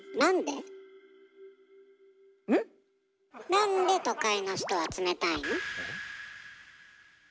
なんで都会の人は冷たいの？え？